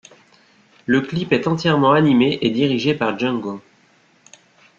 Le clip est entièrement animé et dirigé par Jungo.